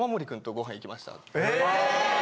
え！